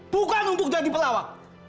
bukan untuk jadi pelawak